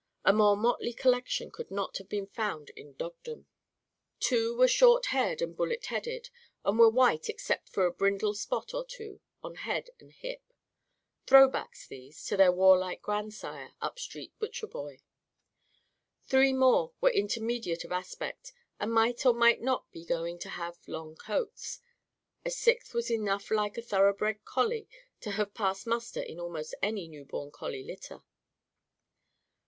A more motley collection could not have been found in dogdom. Two were short haired and bullet headed, and were white except for a brindle spot or two on head and hip. Throwbacks, these, to their warlike grandsire, Upstreet Butcherboy. Three more were intermediate of aspect, and might or might not be going to have long coats. A sixth was enough like a thoroughbred collie to have passed muster in almost any newborn collie litter.